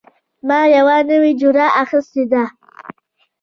ما یوه نوې جوړه اخیستې ده